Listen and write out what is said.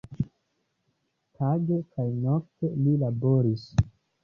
Tage kaj nokte li laboris.